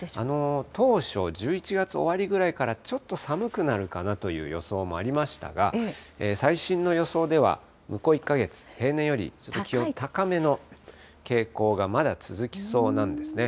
当初、１１月終わりぐらいから、ちょっと寒くなるかなという予想もありましたが、最新の予想では向こう１カ月、平年よりちょっと気温、高めの傾向がまだ続きそうなんですね。